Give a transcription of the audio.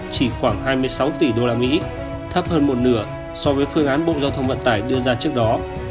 chỉ khoảng hai mươi sáu tỷ usd thấp hơn một nửa so với phương án bộ giao thông vận tải đưa ra trước đó